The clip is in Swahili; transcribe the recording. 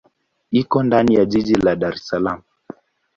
Iko ndani ya jiji la Dar es Salaam.